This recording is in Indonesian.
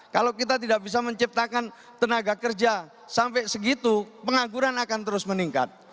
kalau kita tidak bisa menciptakan tenaga kerja sampai segitu pengangguran akan terus meningkat